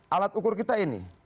alat ukur kita ini